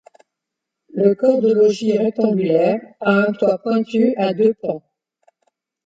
Le corps de logis rectangulaire a un toit pointu à deux pans.